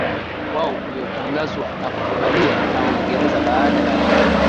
wao uliotangazwa na kukubaliwa na Uingereza baada ya vita